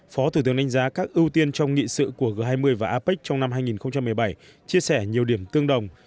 phó thủ tướng đánh giá các ưu tiên trong nghị sự của g hai mươi và apec trong năm hai nghìn một mươi bảy chia sẻ nhiều điểm tương đồng